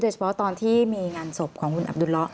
เฉพาะตอนที่มีงานศพของคุณอับดุลละ